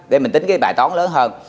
để mình tính cái bài tón lớn hơn